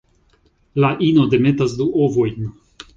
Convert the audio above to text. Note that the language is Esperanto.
La ino demetas du ovojn.